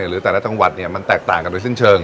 หรือแต่ละจังหวัดมันแตกต่างกันโดยสิ้นเชิง